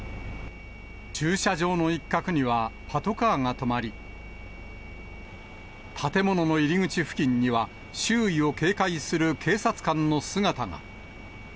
駐車場の一角にはパトカーが止まり、建物の入り口付近には、周囲を警戒する警察官の姿が。